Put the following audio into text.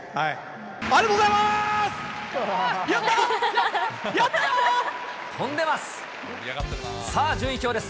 ありがとうございます！